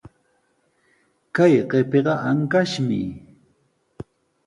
Kay qipiqa ankashmi.